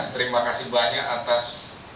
terima kasih banyak atas